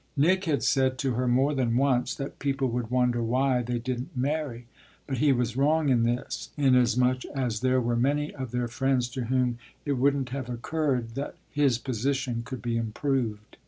Nick had said to her more than once that people would wonder why they didn't marry; but he was wrong in this, inasmuch as there were many of their friends to whom it wouldn't have occurred that his position could be improved.